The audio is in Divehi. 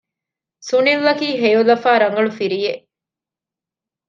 ސުނިލް އަކީ ހެޔޮލަފާ ރަނގަޅު ފިރިއެއް